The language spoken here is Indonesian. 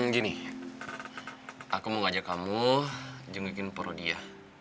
gini aku mau ngajak kamu jenggikin porodia